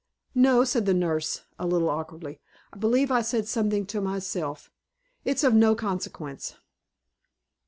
"No," said the nurse, a little awkwardly. "I believe I said something to myself. It's of no consequence."